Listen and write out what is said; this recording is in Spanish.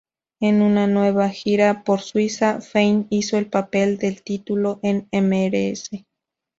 En una nueva gira por Suiza, Fein hizo el papel del título en "Mrs.